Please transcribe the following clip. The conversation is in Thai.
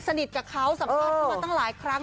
สนิทกับเขาสำคัญมาตั้งหลายครั้ง